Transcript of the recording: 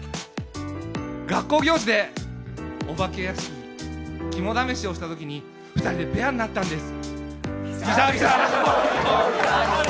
学校行事でお化け屋敷、肝試しをしたときに２人でペアになったんです。